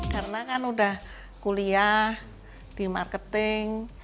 karena kan udah kuliah di marketing